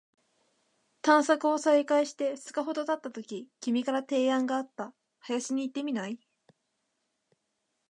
探索を再開して二日ほど経ったとき、君から提案があった。「林に行ってみない？」